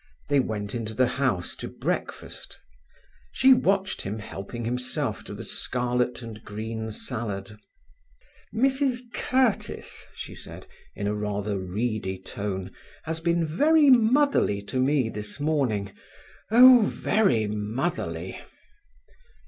They went into the house to breakfast. She watched him helping himself to the scarlet and green salad. "Mrs Curtiss," she said, in rather reedy tone, "has been very motherly to me this morning; oh, very motherly!"